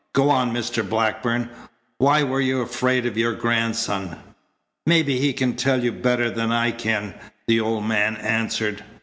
Go on, Mr. Blackburn. Why were you afraid of your grandson?" "Maybe he can tell you better than I can," the old man answered.